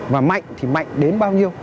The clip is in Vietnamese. và mạnh thì mạnh đến bao nhiêu